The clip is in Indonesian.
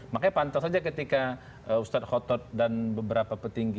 makanya pantas saja ketika ustadz khotod dan beberapa petinggi